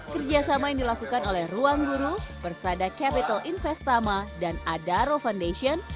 kerjasama yang dilakukan oleh ruangguru persada capital investama dan adara foundation